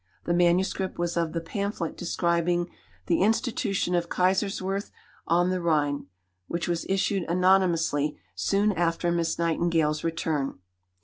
The manuscript was of the pamphlet describing "The Institution of Kaiserswerth on the Rhine," which was issued anonymously soon after Miss Nightingale's return.